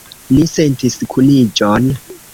Ni sentis kuniĝon.